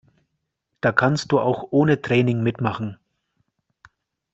Da kannst du auch ohne Training mitmachen.